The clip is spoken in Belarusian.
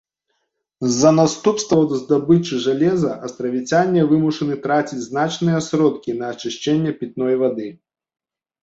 З-за наступстваў здабычы жалеза астравіцяне вымушаны траціць значныя сродкі на ачышчэнне пітной вады.